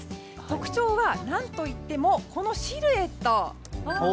特徴は、何といってもこのシルエット。